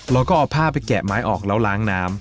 เราก็เอาผ้าไปแกะไม้ออกแล้วล้างน้ำ